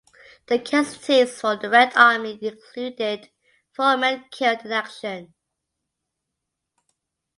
The casualties for the Red Army included four men killed in action.